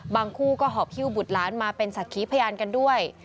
คู่ก็หอบฮิ้วบุตรหลานมาเป็นสักขีพยานกันด้วย